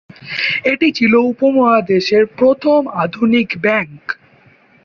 এটি ছিল উপমহাদেশের প্রথম আধুনিক ব্যাংক।